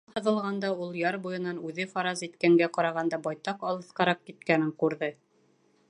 Таң һыҙылғанда ул яр буйынан үҙе фараз иткәнгә ҡарағанда байтаҡ алыҫҡараҡ киткәнен күрҙе.